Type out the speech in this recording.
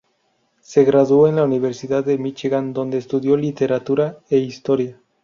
Se graduó en la Universidad de Míchigan, donde estudió Literatura e Historia.